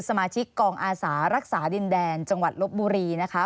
สมาชิกกองอาสารักษาดินแดนจังหวัดลบบุรีนะคะ